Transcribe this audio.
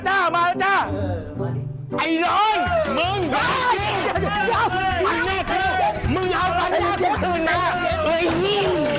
ถ้าทานฟันหน้าผมหายที่๒สิ๊น